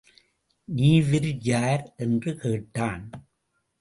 நீவிர் யார் என்று கேட்டான்.